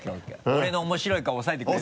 俺の面白い顔おさえてくれた？